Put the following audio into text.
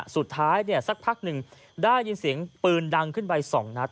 สุดท้ายสักพักนึงได้ยินเสียงปืนดังขึ้นใบ๒นัด